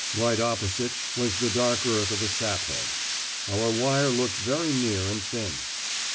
Right opposite was the dark earth of a sap head. Our wire looked very near and thin.